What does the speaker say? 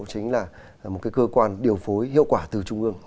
chính là một cơ quan điều phối hiệu quả từ trung ương